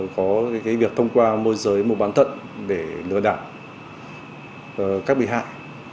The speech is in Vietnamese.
có việc thông qua môi giới mua bán thận để lừa đảo các bị hại